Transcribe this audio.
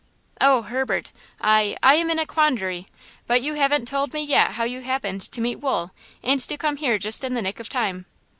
"Oh, Herbert, I–I am in a quandary! But you haven't told me yet how you happened to meet Wool and to come here just in the nick of time!"